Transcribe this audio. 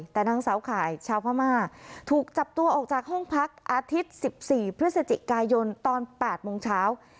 แต่นางสาวข่ายชาวพม่าถูกจับตัวออกจากห้องพักอาทิตย์๑๔พฤศจิกายนตอน๘โมงเช้า